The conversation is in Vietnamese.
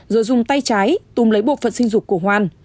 rồi dùng tay trái tùm lấy bộ phận sinh dục của hoan